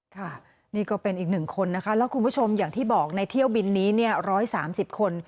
ค่ะนี่ก็เป็นอีกหนึ่งคนนะคะแล้วคุณผู้ชมอย่างที่บอกในเที่ยวบินนี้๑๓๐คน